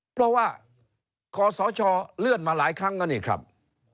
เพราะว่าขอสชเลื่อนมาหลายครั้งแล้วนี่ครับ